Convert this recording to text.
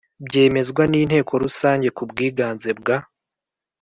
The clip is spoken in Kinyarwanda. byemezwa n Inteko Rusange ku bwiganze bwa